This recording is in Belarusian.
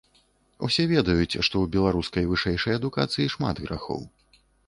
Усе ведаюць, што ў беларускай вышэйшай адукацыі шмат грахоў.